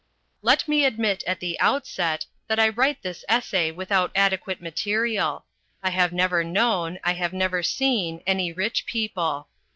Let me admit at the outset that I write this essay without adequate material. I have never known, I have never seen, any rich people.